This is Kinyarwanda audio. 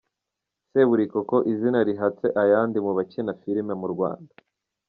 Seburikoko, izina rihatse ayandi mu bakina filime mu Rwanda.